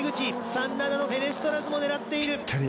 ３７のフェネストラズも狙っている。